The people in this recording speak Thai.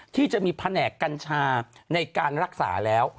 ที่จะมีแผนกกัญชาในการรักษาแล้ว